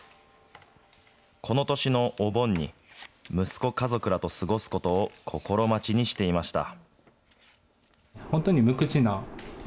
この年のお盆に、息子家族らと過ごすことを心待ちにしていました。